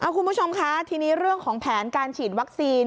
คุณผู้ชมคะทีนี้เรื่องของแผนการฉีดวัคซีน